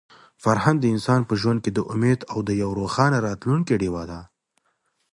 فرهنګ د انسان په ژوند کې د امید او د روښانه راتلونکي ډیوه ده.